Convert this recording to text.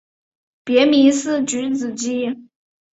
别名是菊子姬。